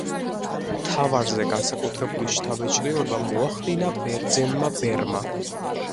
მთავარზე განსაკუთრებული შთაბეჭდილება მოახდინა ბერძენმა ბერმა.